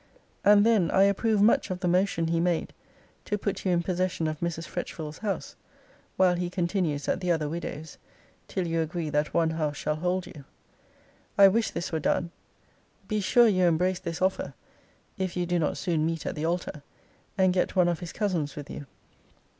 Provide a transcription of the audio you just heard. And then I approve much of the motion he made to put you in possession of Mrs. Fretchville's house, while he continues at the other widow's, till you agree that one house shall hold you. I wish this were done. Be sure you embrace this offer, (if you do not soon meet at the altar,) and get one of his cousins with you.